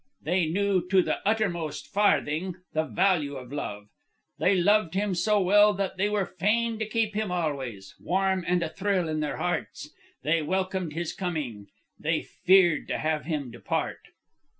They knew to the uttermost farthing the value of Love. They loved him so well that they were fain to keep him always, warm and a thrill in their hearts. They welcomed his coming; they feared to have him depart.